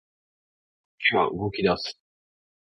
時は動き出す